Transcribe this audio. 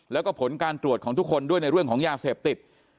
แล้วก็ผลการตรวจของทุกคนด้วยในเรื่องของยาเสพติด